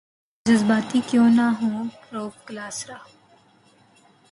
جذباتی کیوں نہ ہوں رؤف کلاسرا